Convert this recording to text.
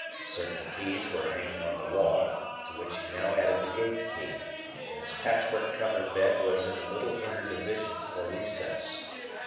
Certain keys were hanging on the wall, to which he now added the gate key; and his patchwork covered bed was in a little inner division or recess.